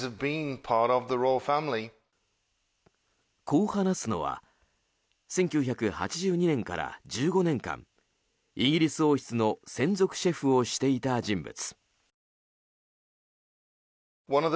こう話すのは１９８２年から１５年間イギリス王室の専属シェフをしていた人物。